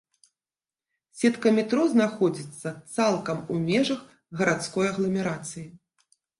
Сетка метро знаходзіцца цалкам у межах гарадской агламерацыі.